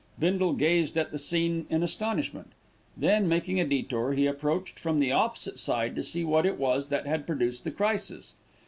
Bindle gazed at the scene in astonishment, then, making a detour, he approached from the opposite side, to see what it was that had produced the crisis.